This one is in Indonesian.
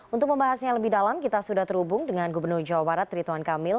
untuk membahasnya lebih dalam kita sudah terhubung dengan gubernur jawa barat rituan kamil